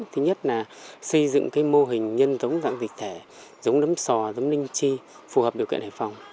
thứ nhất là xây dựng mô hình nhân giống dạng dịch thể giống nấm sò giống linh chi phù hợp điều kiện hải phòng